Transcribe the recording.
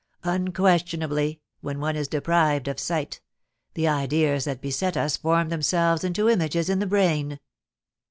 Unquestionably, when one is deprived of sight, the ideas that beset us form themselves into images in the brain.